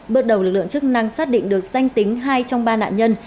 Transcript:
bước đầu lực lượng chức năng xác định được danh tính hai trong ba nạn nhân